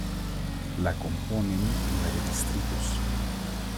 La componen nueve distritos.